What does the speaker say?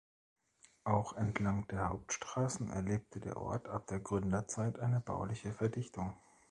Auch entlang der Hauptstraßen erlebte der Ort ab der Gründerzeit eine bauliche Verdichtung.